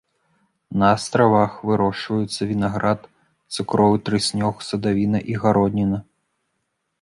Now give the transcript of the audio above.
На астравах вырошчваюцца вінаград, цукровы трыснёг, садавіна і гародніна.